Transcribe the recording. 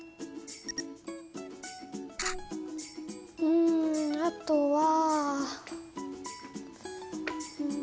うんあとは。